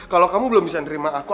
kalau kamu belum bisa nerima aku